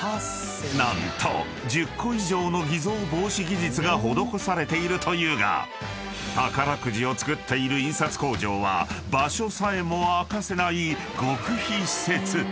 ［何と１０個以上の偽造防止技術が施されているというが宝くじを作っている印刷工場は場所さえも明かせない極秘施設］